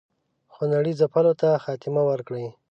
خونړي ځپلو ته خاتمه ورکړي.